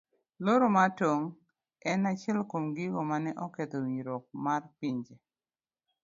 Loro mar tong' en achiel kuom gigo mane oketho winjruok mar pinje.